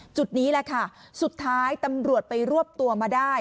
จุดนี้แหละค่ะสุดท้ายตำรวจไปรวบตัวมาได้